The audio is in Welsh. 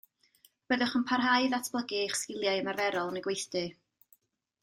Byddwch yn parhau i ddatblygu eich sgiliau ymarferol yn y gweithdy.